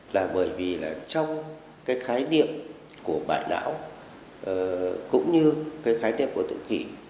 là bởi vì là trong cái khái niệm của bại não cũng như cái khái niệm của tự kỳ